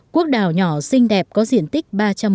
quốc đảo nhỏ xinh đẹp có diện tích ba trăm một mươi sáu